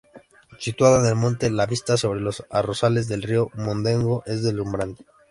Situada en el monte, la vista sobre los arrozales del Río Mondego es deslumbrante.